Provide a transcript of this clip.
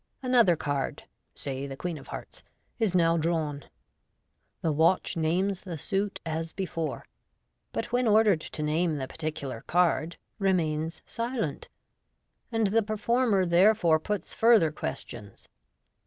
Another card (say the queen of hearts) is now drawn. The watch names the suit as before, but when ordered to name the particular card, remains silent, and the performer therefore puts further ques tions.